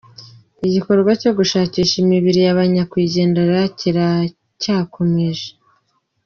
Igikorwa cyo gushakisha imibiri ya banyakwigendera kiracyakomeje.